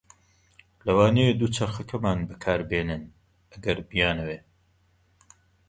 لەوانەیە دووچەرخەکانمان بەکاربهێنن ئەگەر بیانەوێت.